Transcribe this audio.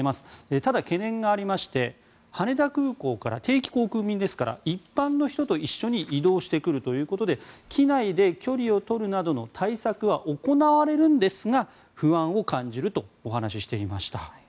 ただ、懸念がありまして羽田空港から定期航空便ですから一般の人と一緒に移動してくるということで機内で距離を取るなどの対策は行われるんですが不安を感じるとお話ししていました。